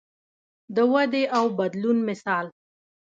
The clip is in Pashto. د ودې او بدلون مثال.